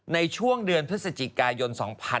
ในช่วงเดือนพฤศจิกายน๒๕๖๒